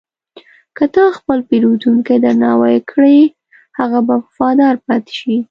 که ته خپل پیرودونکی درناوی کړې، هغه به وفادار پاتې شي.